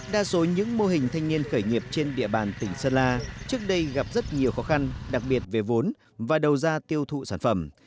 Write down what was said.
đa số những mô hình thanh niên khởi nghiệp trên địa bàn tỉnh sơn la trước đây gặp rất nhiều khó khăn đặc biệt về vốn và đầu ra tiêu thụ sản phẩm